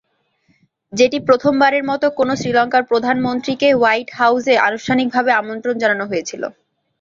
যেটি প্রথমবারের মতো কোনও শ্রীলঙ্কার প্রধানমন্ত্রীকে হোয়াইট হাউসে আনুষ্ঠানিকভাবে আমন্ত্রণ জানানো হয়েছিল।